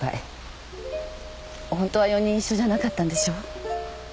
ホントは４人一緒じゃなかったんでしょ？